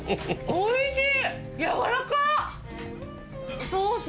おいしい。